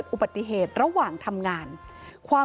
คุณพ่อเสียชีวิตด้วยสาเหตุอะไร